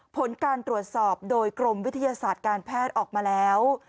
ผลการตรวจสอบโดยกรมวิทยาศาสตร์การแพทย์ออกมาแล้ว